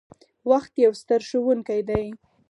• وخت یو ستر ښوونکی دی.